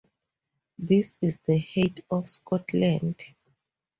This is the height of Scotland.